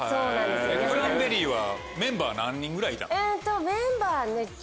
クランベリーはメンバー何人ぐらいいたの？